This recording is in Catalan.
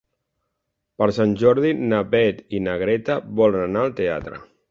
Per Sant Jordi na Beth i na Greta volen anar al teatre.